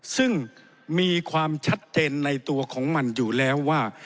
ซึ่งมีความชัดเจนในตัวของมันอยู่แล้วว่า